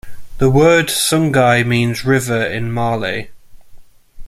The word Sungai means river in Malay.